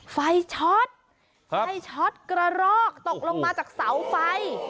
ไฟชอตกระลอกตกลงมาจากเสาไฟ